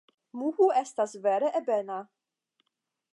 Muhu estas vere ebena.